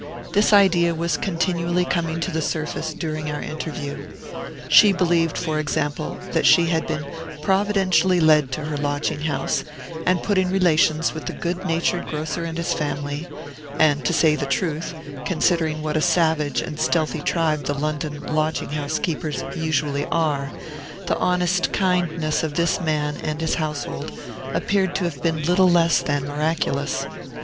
This idea was continually coming to the surface, during our interview. She believed, for example, that she had been providentially led to her lodging house and put in relations with the good natured grocer and his family; and, to say the truth, considering what a savage and stealthy tribe the London lodging house keepers usually are, the honest kindness of this man and his household appeared to have been little less than miraculous.